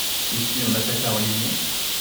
Et puis on attaque la religion.